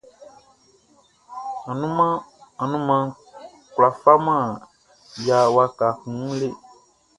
Anumanʼn kwlá faman ya waka kun wun le.